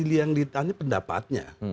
yang ditanya pendapatnya